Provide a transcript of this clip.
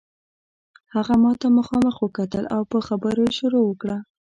هغه ماته مخامخ وکتل او په خبرو یې شروع وکړه.